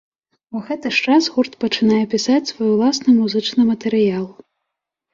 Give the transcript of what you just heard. У гэты ж час гурт пачынае пісаць свой уласны музычны матэрыял.